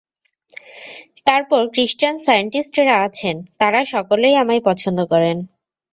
তারপর ক্রিশ্চান সায়েণ্টিস্টরা আছেন, তাঁরা সকলেই আমায় পছন্দ করেন।